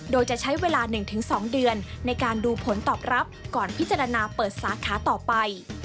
โดยจะใช้เวลา๑๒เดือนในการดูผลตอบรับก่อนพิจารณาเปิดสาขาต่อไป